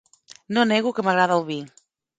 No nego que m'agrada el vi.